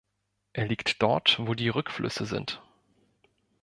Er liegt dort, wo die Rückflüsse sind.